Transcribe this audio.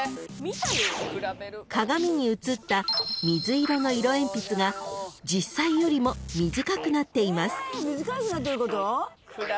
［鏡に映った水色の色鉛筆が実際よりも短くなっています］